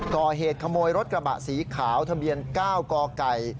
ก่อเหตุขโมยรถกระบะสีขาวทะเบียน๙กไก่